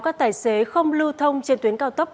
các tài xế không lưu thông trên tuyến cao tốc